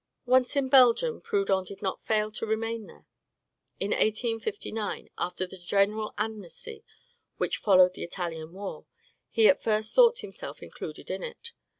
Once in Belgium, Proudhon did not fail to remain there. In 1859, after the general amnesty which followed the Italian war, he at first thought himself included in it.